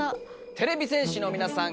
てれび戦士のみなさん